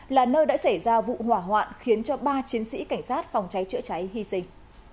là nơi đã xảy ra vụ hỏa hoạn khiến cho ba chiến sĩ cảnh sát phòng cháy chữa cháy hy sinh